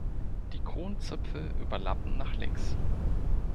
Die Kronzipfel überlappen nach links.